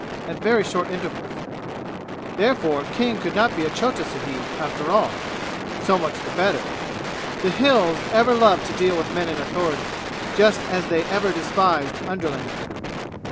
at very short intervals. Therefore King could not be a chota sahib after all. So much the better. The "Hills" ever loved to deal with men in authority, just as they ever despised underlings.